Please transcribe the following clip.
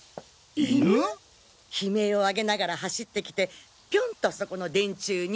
悲鳴を上げながら走ってきてピョンとそこの電柱に。